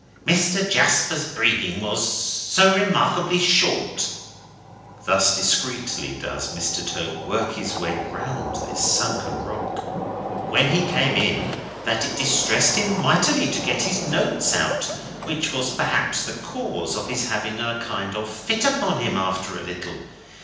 "Mr. Jasper's breathing was so remarkably short"—thus discreetly does Mr. Tope work his way round the sunken rock—"when he came in, that it distressed him mightily to get his notes out: which was perhaps the cause of his having a kind of fit on him after a little.